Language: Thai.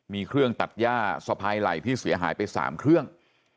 มีเครื่องตัดย่าสะพายไหล่ที่เสียหายไป๓เครื่อง